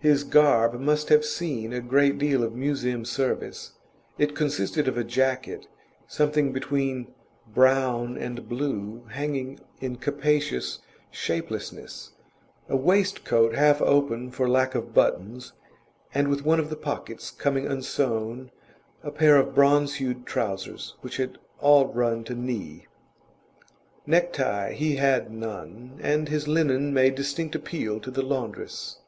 His garb must have seen a great deal of Museum service; it consisted of a jacket, something between brown and blue, hanging in capacious shapelessness, a waistcoat half open for lack of buttons and with one of the pockets coming unsewn, a pair of bronze hued trousers which had all run to knee. Necktie he had none, and his linen made distinct appeal to the laundress.